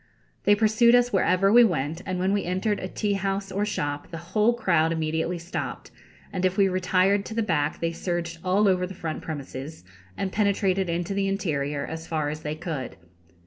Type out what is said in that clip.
They pursued us wherever we went, and when we entered a tea house or shop the whole crowd immediately stopped, and if we retired to the back they surged all over the front premises, and penetrated into the interior as far as they could.